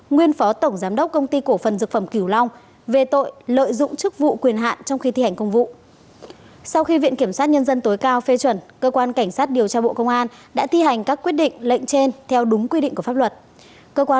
nguyên phó tổng giám đốc công ty cổ phần dược phẩm kiều long về tội lợi dụng chức vụ quyền hạn trong khi thi hành công vụ